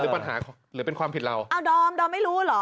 ปัญหาหรือเป็นความผิดเราอ้าวดอมดอมไม่รู้เหรอ